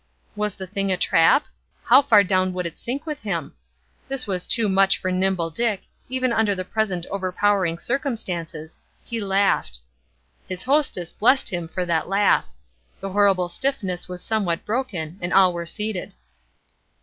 Was the thing a trap? How far down would it sink with him? This was too much for Nimble Dick, even under the present overpowering circumstances he laughed. His hostess blessed him for that laugh. The horrible stiffness was somewhat broken, and all were seated.